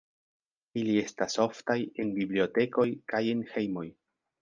Ili estas oftaj en bibliotekoj kaj en hejmoj.